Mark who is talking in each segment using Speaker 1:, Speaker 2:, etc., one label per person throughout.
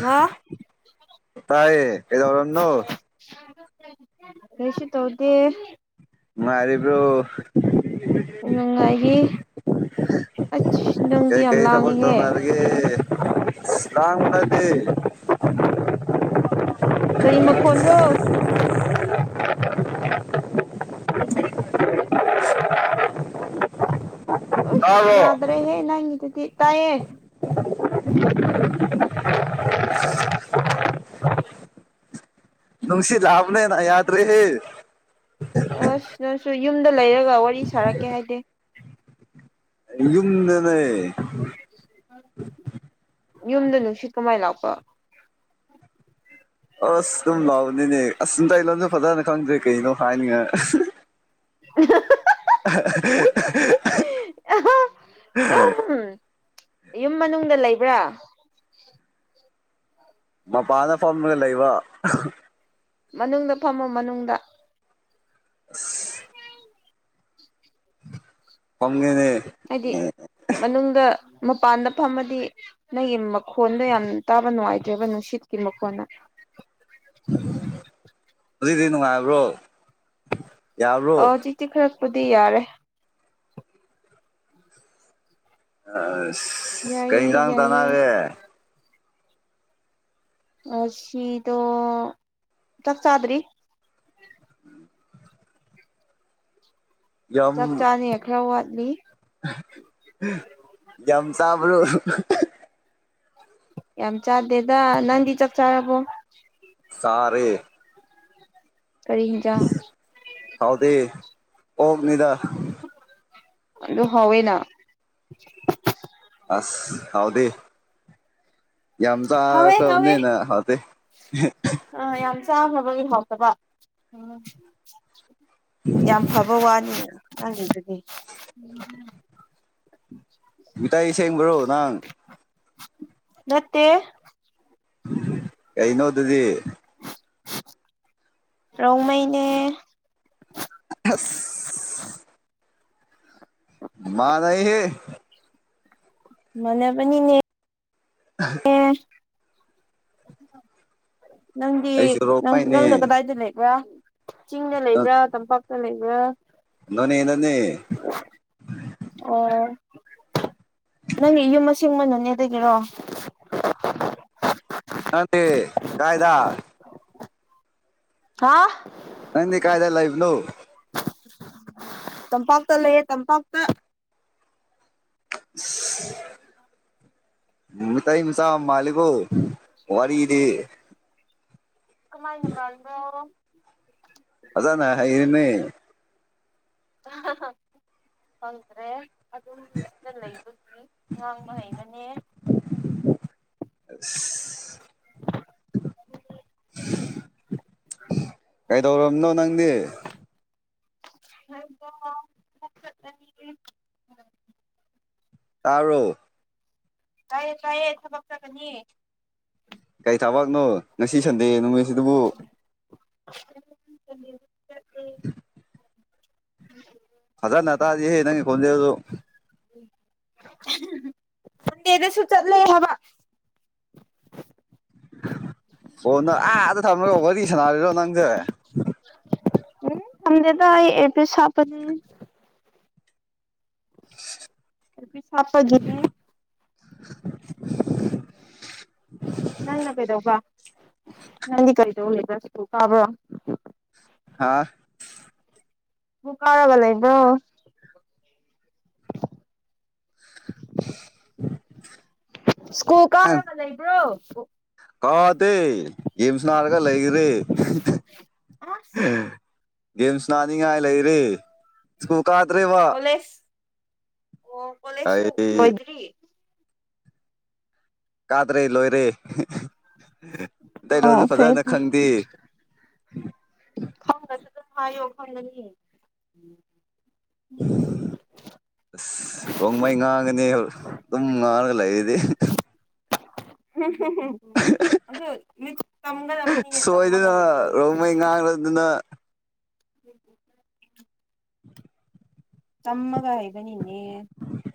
Speaker 1: ꯉꯥ
Speaker 2: ꯇꯥꯏꯌꯦ ꯀꯩꯗꯧꯔꯝꯅꯣ
Speaker 1: ꯀꯩꯁꯨ ꯇꯧꯗꯦ
Speaker 2: ꯅꯨꯡꯉꯥꯏꯔꯤꯕ꯭ꯔꯣ
Speaker 1: ꯅꯨꯡꯉꯥꯏꯔꯤ ꯑꯁ
Speaker 2: ꯀꯩ
Speaker 1: ꯅꯪꯗꯤ ꯌꯥꯝ
Speaker 2: ꯀꯩ ꯊꯕꯛ
Speaker 1: ꯂꯥꯡꯉꯤꯍꯦ
Speaker 2: ꯇꯧꯅꯔꯒꯦ ꯑꯁ ꯂꯥꯡꯕꯗꯤ
Speaker 1: ꯀꯔꯤ ꯃꯈꯣꯟꯔꯣ
Speaker 2: [unintelligible]
Speaker 1: ꯎꯁ
Speaker 2: ꯇꯥꯕ꯭ꯔꯣ
Speaker 1: ꯌꯥꯗ꯭ꯔꯦ ꯍꯦ ꯅꯪꯒꯤꯗꯨꯗꯤ ꯇꯥꯏꯌꯦ [inaudible]
Speaker 2: ꯅꯨꯡꯁꯤꯠ ꯂꯥꯛꯑꯕꯅꯦꯅ ꯌꯥꯗ꯭ꯔꯦꯍꯦ
Speaker 1: ꯑꯣꯁ ꯅꯪꯁꯨ ꯌꯨꯝꯗ ꯂꯩꯔꯒ ꯋꯥꯔꯤ ꯁꯥꯔꯛꯀꯦ ꯍꯥꯏꯗꯦ
Speaker 2: ꯌꯨꯝꯗꯅꯦ
Speaker 1: ꯌꯨꯝꯗ ꯅꯨꯡꯁꯤꯠ ꯀꯃꯥꯏ ꯂꯥꯛꯄ
Speaker 2: ꯑꯁ ꯑꯗꯨꯝ ꯂꯥꯎꯕꯅꯤꯅꯦ ꯑꯁ ꯃꯩꯇꯩ ꯂꯣꯟꯁꯨ ꯐꯖꯅ ꯈꯪꯗ꯭ꯔꯦ ꯀꯩꯅꯣ ꯍꯥꯏꯅꯤꯉꯥꯏ
Speaker 1: [unintelligible]
Speaker 2: [unintelligible]
Speaker 1: ꯑꯍꯥ ꯑꯍꯝ ꯌꯨꯨꯝ ꯃꯅꯨꯡꯗ ꯂꯩꯕ꯭ꯔꯥ
Speaker 2: ꯃꯄꯥꯟꯗ ꯐꯝꯔ ꯂꯩꯕ
Speaker 1: ꯃꯅꯨꯡꯗ ꯐꯝꯃꯣ ꯃꯅꯨꯡꯗ [unintelligible]
Speaker 2: ꯐꯝꯒꯦꯅꯦ
Speaker 1: ꯍꯥꯏꯗꯤ ꯃꯅꯨꯡꯗ ꯃꯄꯥꯟꯗ ꯐꯝꯃꯗꯤ ꯅꯪꯒꯤ ꯃꯈꯣꯟꯗ ꯌꯥꯝ ꯇꯥꯕ ꯅꯨꯡꯉꯥꯏꯇ꯭ꯔꯦꯕ ꯅꯨꯡꯁꯤꯠꯀꯤ ꯃꯈꯣꯟꯅ
Speaker 2: ꯎ ꯍꯧꯖꯤꯛꯗꯤ ꯅꯨꯡꯉꯥꯏꯕ꯭ꯔꯣ ꯌꯥꯕ꯭ꯔꯣ
Speaker 1: ꯑ ꯆꯖꯤꯆꯤ ꯈꯔꯛꯄꯗꯤ ꯌꯥꯔꯦ
Speaker 2: ꯑ
Speaker 1: ꯌꯥꯏꯌꯦ
Speaker 2: ꯀꯩꯗꯥꯡ
Speaker 1: ꯌꯥꯏꯌꯦ
Speaker 2: ꯇꯥꯅꯔꯦ
Speaker 1: ꯑꯁꯤꯤꯗꯣ ꯆꯠ ꯆꯗ꯭ꯔꯤ ꯆꯞ ꯆꯥꯅꯤ ꯈꯔ ꯋꯥꯠꯂꯤ
Speaker 2: ꯝꯁꯕ꯭ꯔꯨ
Speaker 1: ꯌꯥꯝ ꯆꯥꯗꯦꯗ ꯅꯪꯗꯤ ꯆꯞ ꯆꯥꯔꯕꯣ
Speaker 2: ꯇꯔꯦ
Speaker 1: ꯀꯔꯤ ꯍꯖ
Speaker 2: ꯍꯥꯎꯗꯦ ꯑꯣꯛꯅꯤꯗ
Speaker 1: ꯑꯗꯨꯗ ꯍꯅ
Speaker 2: ꯑꯁ ꯍꯥꯎꯗ ꯌꯥꯝꯆꯥ
Speaker 1: ꯍꯥꯎꯋꯦ ꯍꯥꯎꯋꯦ
Speaker 2: ꯀꯅꯤꯅ ꯍ
Speaker 1: ꯆꯥꯅꯕꯒꯤꯍꯥꯎꯇꯕ ꯎꯝ ꯌꯥꯝ ꯐꯕ ꯋꯥꯅꯤ ꯍꯥꯏ ꯑꯗꯨꯗꯤ
Speaker 2: ꯏꯇ ꯏꯁꯒ꯭ꯔꯣ ꯅꯥꯡ
Speaker 1: ꯅꯠꯇꯦ
Speaker 2: ꯀꯩꯅꯣ ꯑꯗꯨꯗꯤ
Speaker 1: ꯔꯣꯡ ꯃꯩꯅꯦ
Speaker 2: ꯑ ꯃꯥꯅ ꯍꯦ
Speaker 1: ꯃꯅ ꯄ ꯅ ꯑꯦꯝ ꯅꯪꯗꯤ
Speaker 2: ꯑꯩꯁꯨ
Speaker 1: ꯅꯪꯅ
Speaker 2: ꯔꯣꯡꯃꯩꯅꯦ
Speaker 1: ꯀꯗꯥꯏꯗ ꯂꯩꯕ꯭ꯔꯥ ꯆꯤꯡꯗ ꯂꯩꯕ꯭ꯔꯥ ꯇꯝꯄꯥꯛꯇ ꯂꯩꯕ꯭ꯔꯥ
Speaker 2: ꯅꯣꯅꯦ ꯌꯦꯅꯟꯅꯦ
Speaker 1: ꯎ ꯅꯪꯒꯤ ꯌꯨꯝ ꯑꯁꯤꯡ ꯃꯅꯨꯅꯦꯗꯒꯤꯔꯣ
Speaker 2: ꯅꯪꯗꯤ ꯀꯥꯏꯗ
Speaker 1: ꯍꯥꯥ
Speaker 2: ꯅꯗꯤ ꯀꯥꯏꯗ ꯂꯩꯥꯏꯕ ꯂꯣ
Speaker 1: ꯇꯝꯄꯥꯛꯇ ꯂꯩꯌꯦꯦ ꯇꯝꯄꯥꯛꯇ
Speaker 2: ꯅꯨ ꯇꯝ ꯁꯥ ꯃꯥꯂꯒꯣ
Speaker 1: [unintelligible] ꯀꯃꯥꯏꯅ ꯃꯥꯜꯅꯣ
Speaker 2: ꯑꯗꯅ ꯍꯅꯦ
Speaker 1: ꯐꯗ꯭ꯔꯦ ꯑꯝ ꯁꯤꯗ ꯂꯩꯕꯒꯤ ꯉꯥꯡꯕ ꯍꯩꯕꯅꯦ
Speaker 2: ꯑ [unintelligible] ꯀꯩꯗꯧꯔꯕꯅꯣ ꯅꯪꯗꯤ
Speaker 1: ꯍ
Speaker 2: ꯇꯔꯨ
Speaker 1: ꯀꯥꯏꯌꯦ ꯀꯥꯏꯌꯦ ꯊꯕꯛ ꯆꯒꯅꯤ
Speaker 2: ꯀꯔꯤ ꯊꯕꯛꯅꯣ ꯉꯁꯤ ꯁꯟꯗꯦ ꯅꯨꯃꯤꯠꯁꯤꯕꯨ
Speaker 1: [unintelligible]
Speaker 2: ꯑ
Speaker 1: ꯎꯝ
Speaker 2: ꯑꯗ ꯅ ꯇ ꯑꯗꯨ ꯌꯦꯦ ꯅꯪ ꯈꯨꯟꯦꯔꯣ
Speaker 1: ꯗꯤꯅꯦꯁꯨ ꯆꯠꯂ ꯍꯕ
Speaker 2: [unintelligible] ꯐꯣꯟꯗꯣ ꯑꯥꯗ ꯊꯝꯃꯒ ꯋꯥꯔꯤ ꯁꯥꯟꯅꯔꯤꯔꯣ ꯅꯪꯁꯦ
Speaker 1: ꯎꯝ ꯁꯝꯗꯦꯗ ꯑꯦ ꯄ ꯁꯄꯅꯤ ꯑꯦꯔꯄꯤꯁ ꯍꯥꯞꯄꯒꯤꯅꯦ
Speaker 2: [unintelligible]
Speaker 1: ꯅꯪꯅ ꯀꯩꯗꯧꯕ ꯅꯪꯗꯤ ꯀꯔꯤꯗꯧꯅꯦꯕꯁꯨ ꯀꯥꯕ꯭ꯔꯣ
Speaker 2: ꯍꯥꯥ
Speaker 1: ꯃꯂ ꯀꯥꯔꯒ ꯂꯩꯕ ꯁ꯭ꯀꯨꯜ
Speaker 2: ꯅꯪ
Speaker 1: ꯀꯥꯔꯒ ꯂꯩꯕ꯭ꯔꯣ
Speaker 2: ꯀꯥꯗꯦ ꯌꯦꯁ ꯅꯥꯔꯒ ꯂꯩꯈ꯭ꯔꯦ
Speaker 1: ꯑꯁ
Speaker 2: ꯒꯦꯝꯁ ꯅꯥꯅꯤꯡꯉꯥꯏ ꯂꯩꯔꯦ ꯁ꯭ꯀꯨꯜ ꯀꯥꯗ꯭ꯔꯦꯕ
Speaker 1: ꯀꯣꯂꯦꯖ ꯑꯣ ꯀꯣꯂꯦꯁꯨ
Speaker 2: ꯑꯩ
Speaker 1: ꯑꯣꯏꯣꯏꯗ꯭ꯔꯤ
Speaker 2: ꯀꯥꯗ꯭ꯔꯦ ꯂꯣꯏꯔꯦ ꯀꯩꯅꯣꯁꯨ
Speaker 1: ꯑꯣ ꯐꯩ
Speaker 2: ꯐꯖꯅ ꯈꯪꯗꯦ
Speaker 1: ꯈꯪꯒꯁꯨ ꯑꯗꯨꯝ ꯍꯥꯏꯌꯣ ꯈꯪꯒꯅꯤ
Speaker 2: ꯑꯁ ꯔꯣꯡꯃꯩ ꯉꯥꯡꯉꯅꯤ ꯑꯗꯨꯝ ꯉꯥꯡꯉꯒ ꯂꯩꯔꯤꯗꯤ
Speaker 1: [unintelligible] ꯑꯗꯨ ꯃꯤ ꯇꯝꯒꯗꯕꯅꯤꯍ ꯇꯝꯃꯒ
Speaker 2: ꯁꯣꯏꯗꯅ
Speaker 1: ꯍꯩꯕꯅꯤ
Speaker 2: ꯔꯣꯡꯃꯩ ꯉꯥꯡꯔꯗꯅ
Speaker 1: ꯎꯝ ꯇꯃꯒ ꯍꯥꯏꯕꯅꯤ ꯏꯅꯦ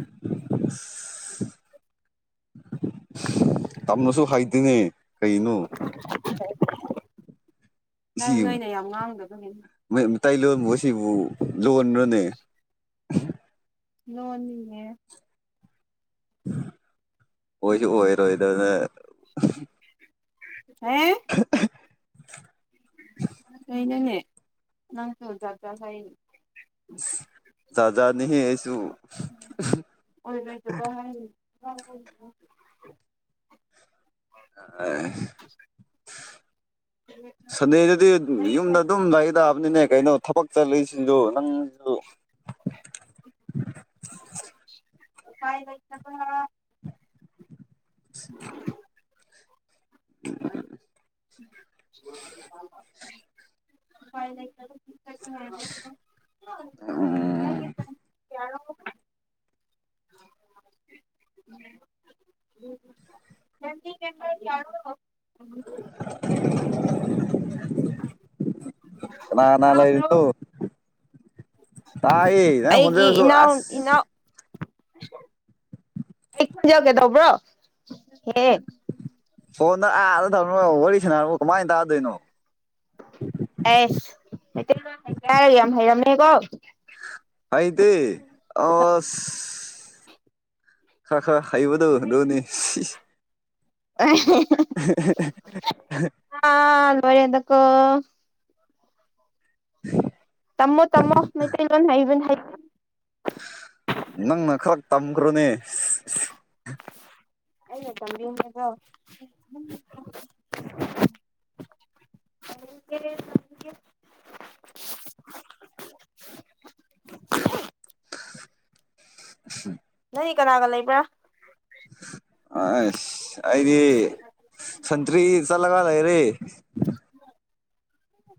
Speaker 2: [unintelligible] ꯇꯝꯅꯁꯨ ꯍꯥꯏꯗꯦꯅꯦ ꯀꯩꯅꯣ
Speaker 1: ꯅꯪ ꯅꯣꯏꯅ ꯌꯥꯝ ꯉꯥꯡꯗꯕꯅꯤ
Speaker 2: ꯇꯥꯏꯂꯣꯟꯕ ꯑꯁꯤꯕꯨ ꯂꯣꯟꯔꯅꯦ
Speaker 1: ꯂꯣꯟꯅꯤꯅꯦ
Speaker 2: ꯑꯣꯏꯣꯏꯁꯨ ꯑꯣꯏꯣꯏꯔꯣ ꯑꯗꯨ
Speaker 1: ꯍꯥꯝ
Speaker 2: [unintelligible]
Speaker 1: ꯀꯩꯅꯣꯅꯦꯍꯦ ꯅꯪꯈ ꯥꯛꯖ ꯍꯥꯏ
Speaker 2: ꯌꯥꯥꯖꯥꯅꯤ ꯑꯩꯁꯨ
Speaker 1: ꯑꯣ
Speaker 2: [unintelligible]
Speaker 1: [unintelligible]
Speaker 2: ꯁꯟꯗꯦꯗꯨꯗꯤ ꯌꯨꯝꯗ ꯑꯗꯨꯝ ꯂꯩꯗ ꯕꯅꯤꯅꯦ ꯀꯩꯅꯣ ꯊꯕꯛ ꯆꯠꯂꯤꯏꯁꯤꯁꯨ ꯅꯪꯁꯨ
Speaker 1: ꯀꯥꯏ ꯂꯩ ꯀꯩ ꯂꯩ
Speaker 2: ꯑꯝ [unintelligible]
Speaker 1: [unintelligible] ꯎꯝ
Speaker 2: ꯀꯥꯅꯥ ꯀꯅꯥ ꯂꯩꯔꯤ
Speaker 1: ꯇꯥꯗ꯭ꯔꯣ
Speaker 2: ꯅꯣ
Speaker 1: ꯑꯩꯒꯤ
Speaker 2: ꯈꯣꯟꯖꯦꯜꯁꯨ
Speaker 1: ꯏꯅꯥꯎ
Speaker 2: ꯑꯁ
Speaker 1: ꯏꯅꯥꯎ ꯖꯒꯦꯗꯧꯕ꯭ꯔꯣ ꯍꯦ
Speaker 2: ꯐꯣꯟꯗ ꯑꯥꯗ ꯊꯝꯅ ꯋꯥꯔꯤ ꯁꯅꯔ ꯀꯃꯥꯏꯅ ꯇꯥꯗꯣꯏꯅꯣ
Speaker 1: ꯑꯦꯁꯇ ꯏꯔ ꯍꯦꯔꯝꯅꯦꯀꯣ
Speaker 2: ꯑꯩꯗꯤ ꯑ ꯍꯥꯏꯕꯗꯧ ꯅꯣꯅꯤ
Speaker 1: [unintelligible]
Speaker 2: [unintelligible]
Speaker 1: ꯌꯥ
Speaker 2: [unintelligible]
Speaker 1: ꯇꯃꯣ ꯇꯃꯣ ꯃ ꯏꯕꯣꯟ ꯍꯥꯏ
Speaker 2: ꯅꯪꯅ ꯈꯔ ꯇꯝꯈ꯭ꯔꯣꯅꯦ
Speaker 1: ꯑꯝꯕꯤ ꯀ
Speaker 2: [inaudible] ꯎ
Speaker 1: ꯀꯥꯒ ꯂꯩꯕ꯭ꯔ
Speaker 2: ꯑ ꯑꯩꯗꯤ ꯁꯇ꯭ꯔꯤ ꯆꯂꯒꯗꯦ ꯔꯦ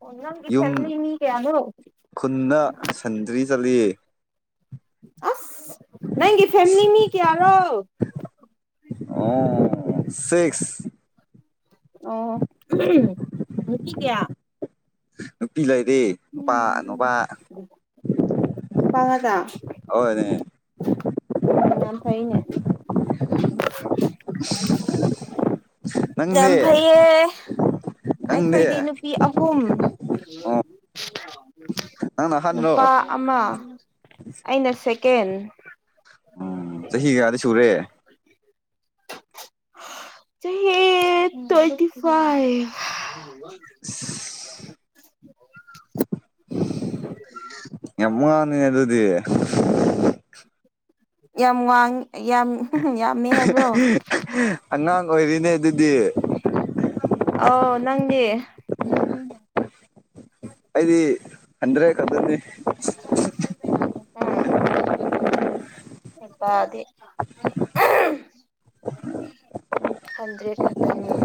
Speaker 1: ꯑꯣ ꯅꯪꯒꯤ
Speaker 2: ꯌꯨꯝ
Speaker 1: ꯐꯦꯃꯤꯂꯤ ꯃꯤ ꯀꯌꯥꯅꯣ
Speaker 2: ꯈꯨꯟꯅ ꯁꯟꯗ꯭ꯔꯤ ꯆꯠꯂꯤ
Speaker 1: ꯑꯁ ꯅꯪꯒꯤ ꯐꯦꯃꯤꯂꯤ ꯃꯤ ꯀꯌꯥꯔꯣ
Speaker 2: ꯑꯣ ꯁꯤꯛꯁ
Speaker 1: ꯑꯣ ꯃ ꯀ ꯀꯌꯥ
Speaker 2: ꯄꯤꯂꯥꯏ ꯗꯤ ꯅꯨꯄꯥ ꯅꯨꯄꯥ
Speaker 1: ꯅꯨꯄꯥ ꯉꯥꯛꯇ
Speaker 2: ꯍꯅꯦ
Speaker 1: ꯎꯝ ꯌꯥꯝ ꯐꯩꯅꯦ
Speaker 2: [inaudible]
Speaker 1: ꯌꯥꯝ
Speaker 2: ꯅꯪꯗꯤ
Speaker 1: ꯐꯩꯌꯦ
Speaker 2: ꯅꯪꯗꯤ
Speaker 1: ꯑꯩꯈꯣꯏꯗꯤ ꯅꯨꯄꯤ ꯑꯍꯨꯝ
Speaker 2: ꯑꯣ ꯅꯪꯅ ꯑꯍꯟꯔꯣ
Speaker 1: ꯅꯨꯄꯥ ꯑꯃ ꯑꯩꯅ ꯁꯦꯀꯦꯟ
Speaker 2: ꯎꯝ ꯆꯍꯤ ꯀꯌꯥꯗꯤ ꯁꯨꯔꯦ
Speaker 1: ꯆꯍꯤ ꯇ꯭ꯋꯦꯟꯇꯤ ꯐꯥꯏꯚ
Speaker 2: ꯑꯁ
Speaker 1: [inaudible]
Speaker 2: ꯌꯥꯝ ꯋꯥꯉꯥꯡꯅꯤ ꯑꯗꯨꯗꯤ
Speaker 1: ꯌꯥꯝ ꯋꯥꯡ ꯌꯥꯝ ꯌꯥꯝꯃꯦ ꯍꯥꯏꯕ꯭ꯔꯣ
Speaker 2: ꯑꯉꯥꯡ ꯑꯣꯏꯔꯤꯅꯦ ꯑꯗꯨ
Speaker 1: ꯑꯥꯎ ꯅꯪꯅꯦ
Speaker 2: ꯑꯩꯗꯤ ꯍꯟꯗ꯭ꯔꯦ ꯀꯗꯅꯤ
Speaker 1: ꯑꯗꯤ
Speaker 2: [inaudible]
Speaker 1: ꯍꯟꯗ꯭ꯔꯦꯠ ꯈꯇꯅꯤꯡꯅꯤ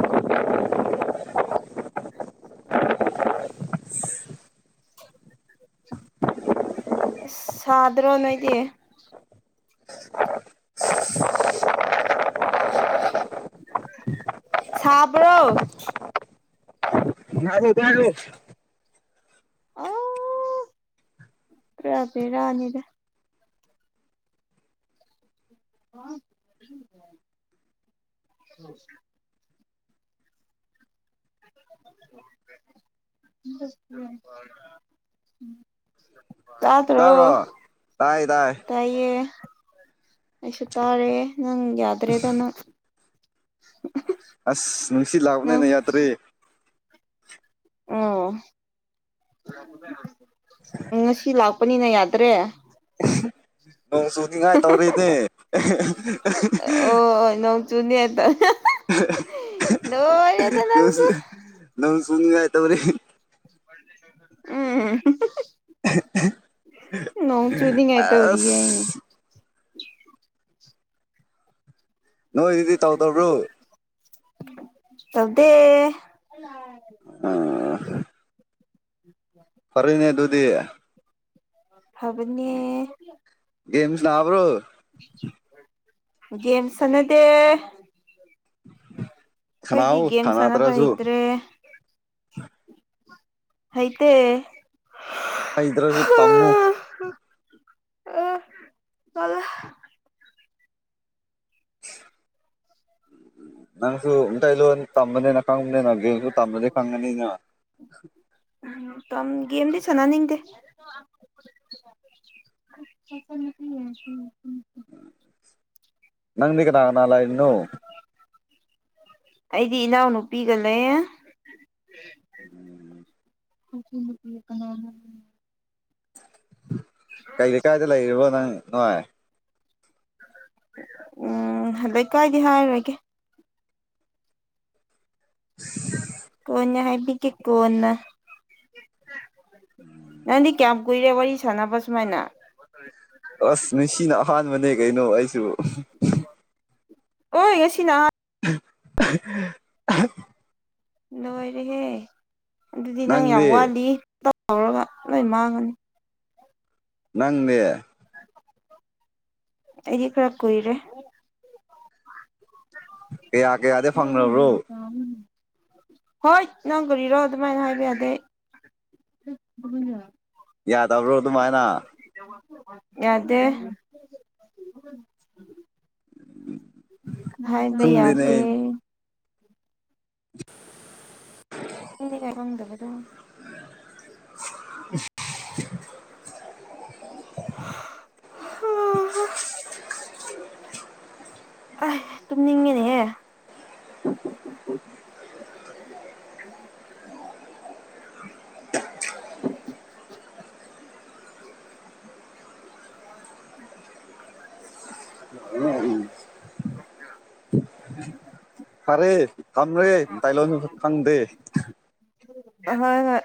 Speaker 2: [inaudible]
Speaker 1: ꯁꯥꯗ꯭ꯔ ꯅꯣꯏꯗꯤ ꯁꯥꯕ꯭ꯔꯣ
Speaker 2: ꯌꯥꯣ
Speaker 1: ꯑ ꯀꯔꯄꯦꯔꯥꯅꯤꯗ ꯑ
Speaker 2: [inaudible]
Speaker 1: ꯁꯝ ꯇꯥꯇ꯭ꯔꯣꯣ
Speaker 2: ꯇꯥꯕ꯭ꯔꯣ ꯇꯥꯏ ꯇꯥꯏ
Speaker 1: ꯇꯏꯌꯦ ꯑꯁꯨ ꯇꯥꯔꯦ ꯅꯪ ꯌꯥꯗ꯭ꯔꯦꯗꯅꯣ
Speaker 2: ꯅꯨꯡꯁꯤ ꯂꯥꯛꯅꯦꯅ ꯌꯥꯗ꯭ꯔꯦ
Speaker 1: ꯑ ꯎꯝ ꯉꯁꯤ ꯂꯥꯛꯄꯅꯤꯅ ꯌꯥꯗ꯭ꯔꯦ
Speaker 2: ꯅꯣꯡ ꯆꯨꯅꯤꯡꯉꯥꯏ ꯇꯧꯔꯤꯅꯦ
Speaker 1: ꯆꯨꯅꯤ ꯗꯗ ꯅꯪꯁꯨ
Speaker 2: ꯁꯅꯤꯡꯉꯥꯏꯇꯧꯔꯤꯦ
Speaker 1: ꯎꯝ
Speaker 2: [inaudible]
Speaker 1: ꯅ ꯆꯨꯗꯤꯤꯡ ꯑꯥꯏ ꯇꯧꯔꯤꯌꯦ
Speaker 2: ꯑꯁ ꯅꯣꯏ ꯏꯗꯤ ꯇꯧ ꯇꯧꯕꯣ
Speaker 1: ꯇꯗ ꯎ
Speaker 2: ꯐꯔꯤꯅꯦ ꯑꯗꯨꯗꯨꯗꯤ
Speaker 1: ꯍꯥꯏꯕꯅꯤ
Speaker 2: ꯒꯦꯝꯁ ꯅꯥꯕ꯭ꯔꯣ
Speaker 1: ꯦꯝꯁ ꯑꯅꯗꯤ ꯑꯩꯈꯣꯏꯗꯤ
Speaker 2: ꯁꯥꯟꯅꯧ
Speaker 1: ꯦꯝ ꯁꯅꯅꯕ
Speaker 2: ꯁꯥꯟꯅꯗ꯭ꯔꯁꯨ
Speaker 1: ꯍꯇ꯭ꯔꯦ ꯑꯥꯏꯗ
Speaker 2: ꯍꯗ꯭ꯔꯁꯨ ꯇꯝꯃꯨ
Speaker 1: ꯎ ꯍꯂꯣ
Speaker 2: ꯅꯪꯁꯨ ꯀꯂꯣ ꯇꯝꯕꯅꯤꯅ ꯈꯪꯕꯅꯤꯅ ꯒꯦꯁꯨ ꯇꯝꯕꯅꯤ ꯈꯪꯉꯅꯤꯅ
Speaker 1: ꯀ ꯦꯦꯝꯗꯤ ꯁꯅꯥꯅꯤꯡꯗꯦ ꯎꯝ
Speaker 2: ꯅꯪꯅꯤ ꯀꯅꯥ ꯅ ꯂꯩ ꯏꯅꯣ
Speaker 1: ꯑꯩꯗꯤ ꯏꯅꯥꯎꯅꯨꯄꯤꯒꯅꯦ ꯑ
Speaker 2: ꯀꯩ ꯂꯩ ꯀꯥꯏꯗ ꯂꯩꯔꯤꯕꯣ ꯅꯪ ꯅꯨꯡꯉꯥꯏ
Speaker 1: ꯎꯝ ꯑꯗꯩ ꯀꯥꯏꯗꯤ ꯍꯥꯏꯔꯒꯦ ꯀꯅ ꯍꯥꯏꯕꯤ ꯀ ꯀꯅ ꯅꯗꯤ ꯀꯌꯥꯝ ꯀꯔ ꯄ ꯁꯥꯟ ꯄ ꯁꯃꯥꯏꯅ
Speaker 2: ꯑꯁ ꯅꯨꯡꯁꯤꯅ ꯑꯍꯥꯟꯕꯅꯦ ꯀꯩꯅꯣ ꯑꯩꯁꯨ
Speaker 1: ꯑꯣ ꯉꯁꯤꯅ
Speaker 2: [inaudible]
Speaker 1: ꯂꯣꯏꯔꯦꯍꯦ ꯑꯗꯨꯗꯤ ꯅꯪ ꯌꯥꯝ
Speaker 2: ꯅꯪꯗꯤ
Speaker 1: ꯋꯥꯠꯂꯤ ꯇꯧꯔꯒ ꯂꯣꯏ ꯃꯥꯡꯒꯅꯤ
Speaker 2: ꯅꯪꯅꯦ
Speaker 1: ꯑꯩꯗꯤ ꯈꯔ ꯀꯔꯦ
Speaker 2: ꯀꯌꯥ ꯀꯌꯥꯗꯤ ꯐꯪꯕ꯭ꯔꯣ
Speaker 1: ꯍꯣꯏ ꯅꯪ ꯀꯔꯤꯔꯣ ꯑꯗꯨꯃꯥꯏꯅ ꯍꯥꯏꯕ ꯌꯥꯗꯦ
Speaker 2: ꯌꯥꯗꯕ꯭ꯔꯣ ꯑꯗꯨꯃꯥꯏꯅ
Speaker 1: ꯌꯥꯗꯦ
Speaker 2: ꯎꯝ
Speaker 1: ꯍꯥꯏ ꯃ ꯌꯥꯗ
Speaker 2: [inaudible]
Speaker 1: ꯪꯗꯕꯗꯣ
Speaker 2: ꯑ
Speaker 1: [inaudible] ꯑ ꯇꯨꯝꯅꯤꯡꯉꯤꯅꯦꯍꯦ
Speaker 2: ꯎ
Speaker 1: [inaudible]
Speaker 2: ꯈꯔꯦ ꯊꯝ ꯔꯦ ꯇꯥꯏ ꯂꯣꯅ ꯈꯪꯗꯦ
Speaker 1: ꯍꯣꯏ ꯍꯣꯏ